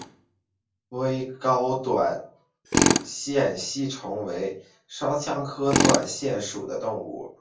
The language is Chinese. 微睾短腺吸虫为双腔科短腺属的动物。